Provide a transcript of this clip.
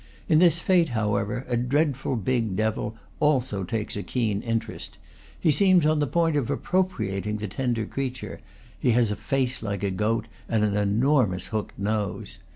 In this fate, how ever, a dreadful, big devil also takes a keen interest; he seems on the point of appropriating the tender creature; he has a face like a goat and an enormous hooked nose.